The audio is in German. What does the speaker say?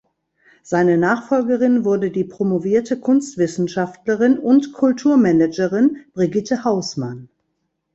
Seine Nachfolgerin wurde die promovierte Kunstwissenschaftlerin und Kulturmanagerin Brigitte Hausmann.